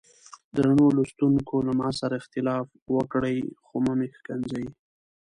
درنو لوستونکو له ما سره اختلاف وکړئ خو مه مې ښکنځئ.